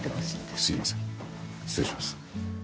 すいません。